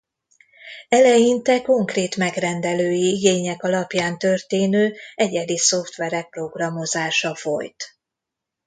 Eleinte konkrét megrendelői igények alapján történő egyedi szoftverek programozása folyt.